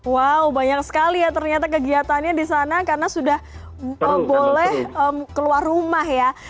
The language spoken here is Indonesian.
wow banyak sekali ya ternyata kegiatannya di sana karena sudah boleh keluar rumah ya